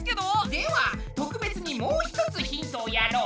では特別にもう一つヒントをやろう。